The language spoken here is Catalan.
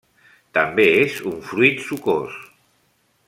També és un fruit sucós.